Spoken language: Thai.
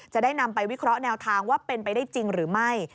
จะได้นำไปวิเคราะห์แนวทางว่าเป็นไปได้จริงหรือไม่